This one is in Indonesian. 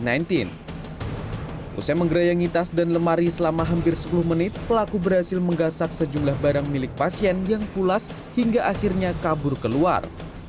usai menggerayangi tas dan lemari selama hampir sepuluh menit pelaku berhasil menggasak sejumlah barang milik pasien yang pulas hingga akhirnya kabur keluar